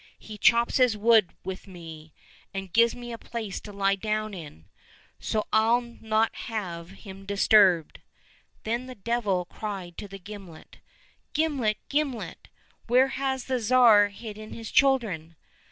He chops his wood with me, and gives me a place to lie down in ; so I'll not have him disturbed." — Then the Devil cried to the gimlet, '' Gimlet, gimlet, where has the Tsar hidden his chil dren ?